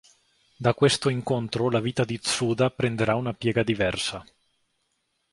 Da questo incontro la vita di Tsuda prenderà una piega diversa.